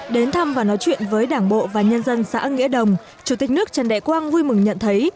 đến thăm và nói chuyện với đảng bộ và nhân dân xã nghĩa đồng chủ tịch nước trần đại quang vui mừng nhận thấy